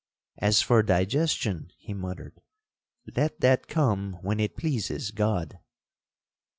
As for digestion,' he muttered, 'let that come when it pleases God.'